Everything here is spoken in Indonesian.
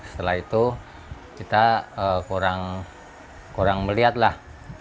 setelah itu kita kurang melihatlah